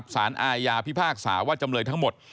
สารอาญาพิพากษาว่าจำเลยทั้งหมด